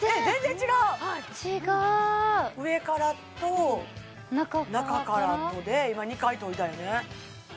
違う上からと中からとで今２回といだよね